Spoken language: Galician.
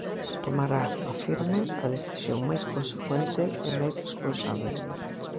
Tomará, afirma, a decisión "máis consecuente" e "máis responsábel".